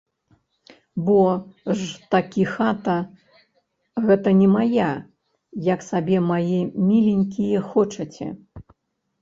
Бо ж такі хата гэта не мая, як сабе, мае міленькія, хочаце.